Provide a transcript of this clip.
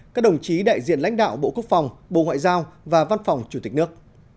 các đồng chí đại diện lãnh đạo bộ quốc phòng bộ ngoại giao và văn phòng chủ tịch nước